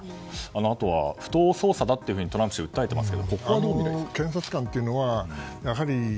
あとは不当捜査だとトランプ氏、訴えていますが。